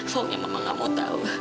faunya mama gak mau tau